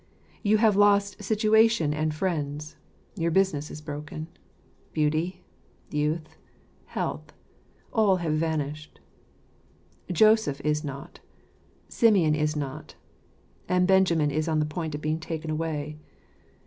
You have lost situation and friends. Your business is broken. Beauty, youth, health — all have vanished. Joseph is not; Simeon is not; and Benjamin is on the point of being taken away.